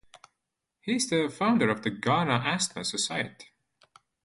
He is the founder of the Ghana Asthma Society.